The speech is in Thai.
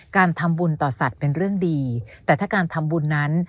การทำบุญต่อสัตว์เป็นเรื่องดีแต่ถ้าการทำบุญนั้น